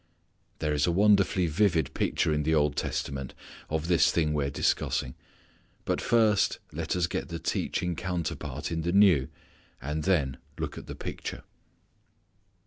There is a wonderfully vivid picture in the Old Testament, of this thing we are discussing. But first let us get the teaching counterpart in the new, and then look at the picture.